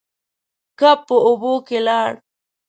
کب په اوبو کې لاړ.